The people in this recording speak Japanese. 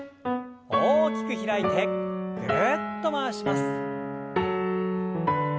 大きく開いてぐるっと回します。